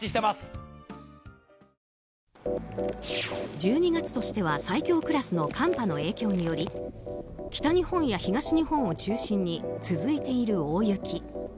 １２月としては最強クラスの寒波の影響により北日本や東日本を中心に続いている大雪。